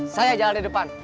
saya jalan di depan